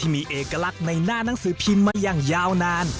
หรือพิมพ์มาอย่างยาวนาน